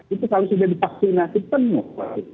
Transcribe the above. itu kalau sudah divaksinasi penuh